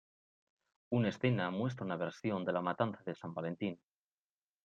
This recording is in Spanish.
Una escena muestra una versión de la Matanza de San Valentín.